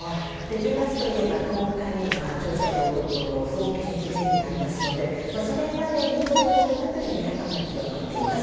１０月といえば１０日には朝鮮労働党の創建記念日がありますのでそれまでにということだという見方も広まっています。